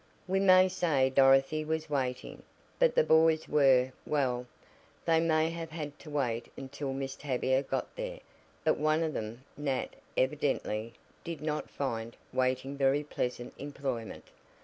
We may say Dorothy was waiting, but the boys were well, they may have had to wait until Miss Tavia got there, but one of them, Nat, evidently did not find "waiting" very pleasant employment.